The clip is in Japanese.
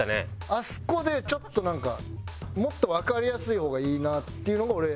あそこでちょっとなんかもっとわかりやすい方がいいなっていうのが俺あったかな。